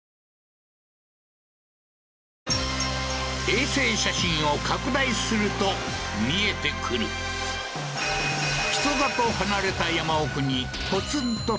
衛星写真を拡大すると見えてくる人里離れた